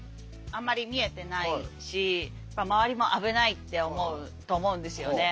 あんまり見えてないし周りも危ないって思うと思うんですよね。